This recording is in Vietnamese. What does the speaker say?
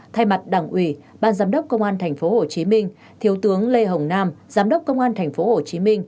thay mặt đảng ủy ban giám đốc công an tp hcm thiếu tướng lê hồng nam giám đốc công an tp hcm